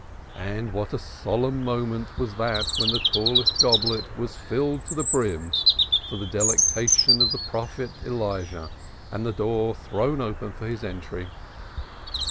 And what a solemn moment was that when the tallest goblet was filled to the brim for the delectation of the prophet Elijah and the door thrown open for his entry.